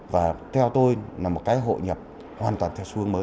và theo tôi là một cái hội nhập hoàn toàn theo xu hướng mới